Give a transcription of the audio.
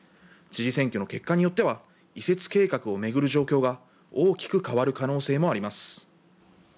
知事選挙の結果によっては、移設計画を巡る状況が大きく変わる可能性もあります。